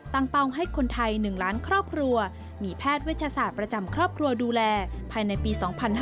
เป้าให้คนไทย๑ล้านครอบครัวมีแพทย์เวชศาสตร์ประจำครอบครัวดูแลภายในปี๒๕๕๙